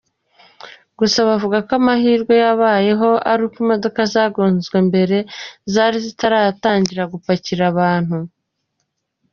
Gusa bavuga ko amahirwe yabayeho ari uko imodoka zagonzwe mbere, zari zitaratangira gupakira abantu.